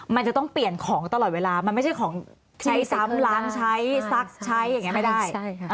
มันจะต้องเปลี่ยนของตลอดเวลามันไม่ใช่ของใช้ซ้ำล้างใช้ซักใช้อย่างนี้ไม่ได้